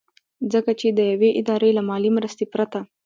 ځکه چې د يوې ادارې له مالي مرستې پرته